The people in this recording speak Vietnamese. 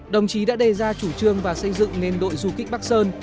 đồng chí đã đề ra chủ trương và xây dựng nên đội du kích bắc sơn